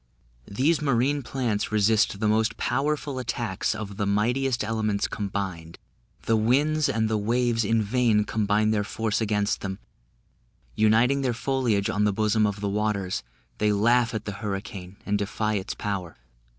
These marine plants resist the most powerful attacks of the mightiest elements combined; the winds and the waves in vain combine their force against them; uniting their foliage on the bosom of the waters, they laugh at the hurricane and defy its power.